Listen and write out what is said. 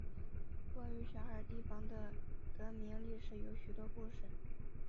关于小孩堤防的得名历史有许多故事。